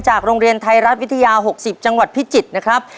โรงเรียนไทยรัฐวิทยา๖๐จังหวัดพิจิตรนะครับ